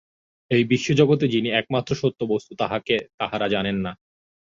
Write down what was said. এই বিশ্বজগতে যিনি একমাত্র সত্য বস্তু, তাঁহাকে তাঁহারা জানেন না।